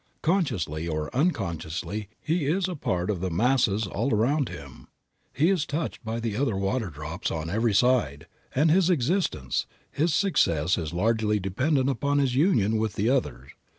Consciously or unconsciously he is a part of the masses all around him. He is touched by other water drops on every side, and his existence, his success is largely dependent upon his union with the others.